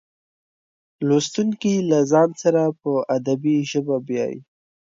لوستونکي له ځان سره په ادبي ژبه بیایي.